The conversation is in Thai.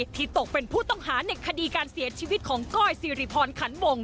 ตกเป็นผู้ต้องหาในคดีการเสียชีวิตของก้อยสิริพรขันวง